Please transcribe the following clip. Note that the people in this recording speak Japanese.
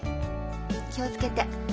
気を付けて。